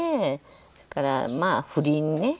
それからまあ不倫ね。